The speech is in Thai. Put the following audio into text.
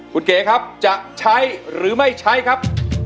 คุณเก๋ครับจะใช้หรือไม่ใช้ครับ